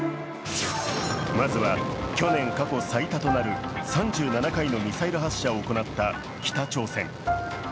まずは、去年過去最多となる３７回のミサイル発射を行った北朝鮮。